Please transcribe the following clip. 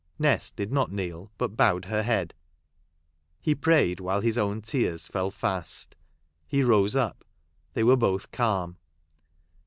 Nest did not kneel, but bowed her head. He prayed, while his own tears fell fast. He rose up. They were both calm.